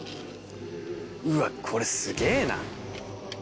うわっこれすげぇな！